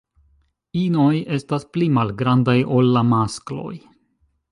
Inoj estas pli malgrandaj ol la maskloj.